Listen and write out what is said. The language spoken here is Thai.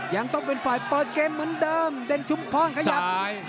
ยังต้องเป็นฝ่ายเปิดเกมเหมือนเดิมเด่นชุมพรขยับ